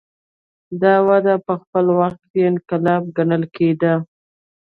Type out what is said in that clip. دا وده په خپل وخت کې انقلاب ګڼل کېده.